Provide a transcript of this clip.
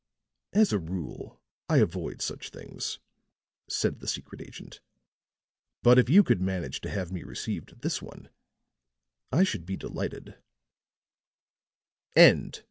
"As a rule I avoid such things," said the secret agent; "but if you could manage to have me received at this one, I should be delighted.